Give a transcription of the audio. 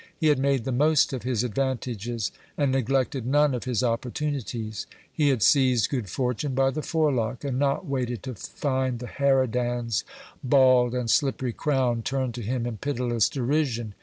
He had made the most of his advantages, and neglected none of his opportunities. He had seized Good Fortune by the forelock, and not waited to find the harridan's bald and slippery crown turned to him in pitiless derision.